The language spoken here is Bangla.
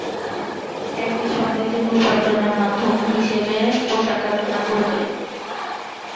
একই সঙ্গে তিনি উপার্জনের মাধ্যম হিসেবে পোশাক কারখানা গড়ে তোলেন।